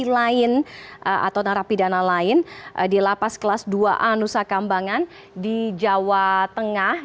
di lain atau narapidana lain di lapas kelas dua anusa kambangan di jawa tengah